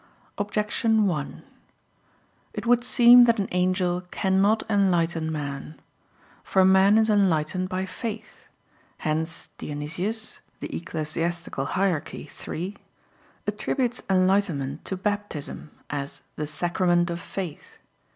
Objection 1: It would seem that an angel cannot enlighten man. For man is enlightened by faith; hence Dionysius (Eccl. Hier. iii) attributes enlightenment to baptism, as "the sacrament of faith."